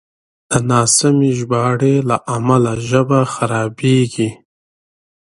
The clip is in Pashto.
د ناسمې ژباړې له امله ژبه خرابېږي.